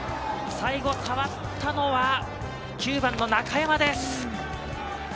最後触ったのは９番の中山です。